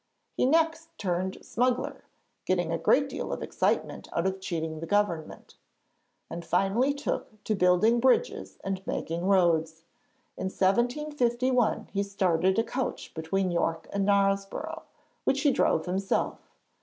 He next turned smuggler, getting a great deal of excitement out of cheating the Government, and finally took to building bridges and making roads. In 1751 he started a coach between York and Knaresborough, which he drove himself.